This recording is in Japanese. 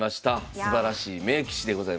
すばらしい名棋士でございました。